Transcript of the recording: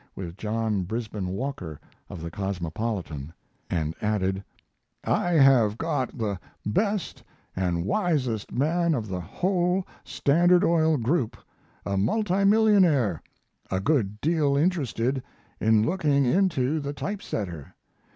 with John Brisben Walker, of the 'Cosmopolitan', and added: I have got the best and wisest man of the whole Standard Oil group a multi millionaire a good deal interested in looking into the type setter.